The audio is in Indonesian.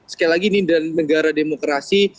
sekali lagi ini adalah negara demokrasi